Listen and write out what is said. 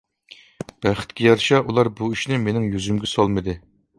بەختكە يارىشا ئۇلار بۇ ئىشنى مېنىڭ يۈزۈمگە سالمىدى.